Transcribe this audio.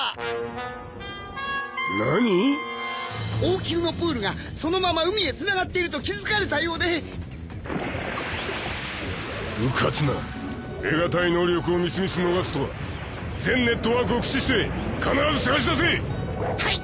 王宮のプールがそのまま海へ繋がっていると気付かれたようでうかつな得がたい能力をみすみす逃すとは全ネットワークを駆使して必ず捜し出せはい！